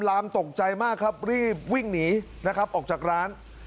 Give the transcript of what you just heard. ลามตกใจมากครับรีบวิ่งหนีนะครับออกจากร้าน